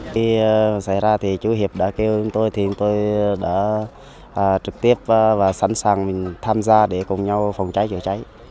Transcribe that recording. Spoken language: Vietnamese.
khi xảy ra thì chú hiệp đã kêu chúng tôi thì chúng tôi đã trực tiếp và sẵn sàng mình tham gia để cùng nhau phòng cháy chữa cháy